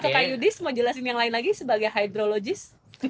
ke kak yudis mau jelasin yang lain lagi sebagai hydrologis